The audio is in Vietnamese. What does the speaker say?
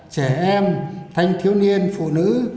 trẻ em thanh thiếu niên phụ nữ